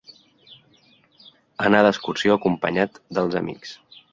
Anar d'excursió acompanyat dels amics.